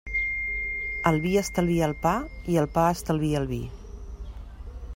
El vi estalvia el pa i el pa estalvia el vi.